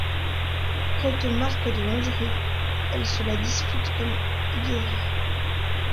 Quant aux marques de lingerie, elles se la disputent comme égérie.